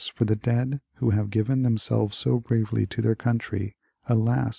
for the dead who have given themselves so bravely to their country ; alas